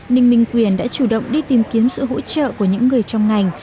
ninh minh quyền đã chủ động đi tìm kiếm sự hỗ trợ của những người trong ngành